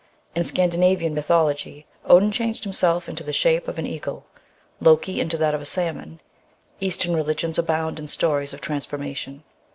In Scandi navian mythology, Odin changed himself into the shape of an eagle, Loki into that of a salmon. Eastern religions abound in stories of transformation.